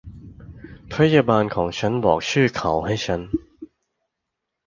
พยาบาลของฉันบอกชื่อเขาให้ฉัน